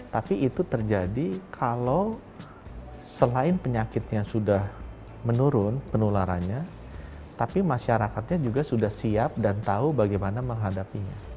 tapi itu terjadi kalau selain penyakitnya sudah menurun penularannya tapi masyarakatnya juga sudah siap dan tahu bagaimana menghadapinya